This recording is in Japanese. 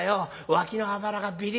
脇のあばらがびり